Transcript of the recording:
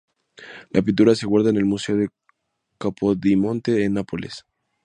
La pintura se guarda en el Museo de Capodimonte en Nápoles.